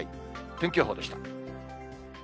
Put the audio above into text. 天気予報でした。